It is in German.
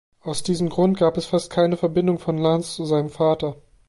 Aus diesem Grund gab es fast keine Verbindung von Lance zu seinem Vater.